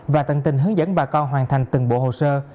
và tận tình hướng dẫn bà con hoàn thành từng bộ hồ sơ